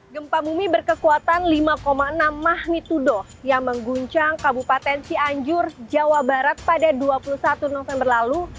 gempa bumi berkekuatan lima enam magnitudo yang mengguncang kabupaten cianjur jawa barat pada dua puluh satu november lalu